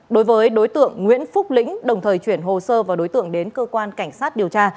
đối với đối tượng nguyễn phúc lĩnh đồng thời chuyển hồ sơ và đối tượng đến cơ quan cảnh sát điều tra